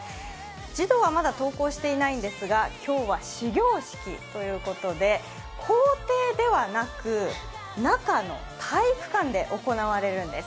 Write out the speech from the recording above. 児童はまだ登校していないんですが今日は始業式ということで校庭ではなく中の体育館で行われるんです。